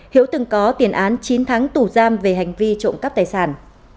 hiếu từng có tiền án chín tháng tù giam về hành vi trộm cắp tài sản